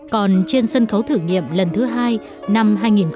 còn trên sân khấu thử nghiệm lần thứ hai năm hai nghìn tám